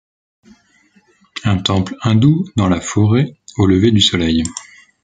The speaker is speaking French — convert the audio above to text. Un temple hindou dans la forêt, au lever du soleil.